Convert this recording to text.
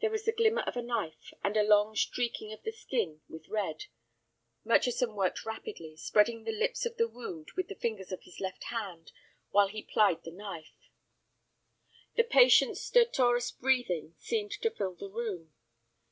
There was the glimmer of a knife, and a long streaking of the skin with red. Murchison worked rapidly, spreading the lips of the wound with the fingers of his left hand while he plied the knife. The patient's stertorous breathing seemed to fill the room.